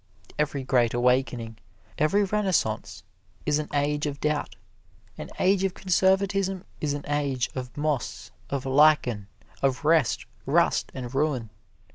Every great awakening, every renaissance, is an age of doubt. An age of conservatism is an age of moss, of lichen, of rest, rust and ruin.